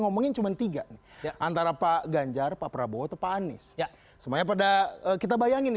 ngomongin cuman tiga antara pak ganjar pak prabowo tepanis semuanya pada kita bayangin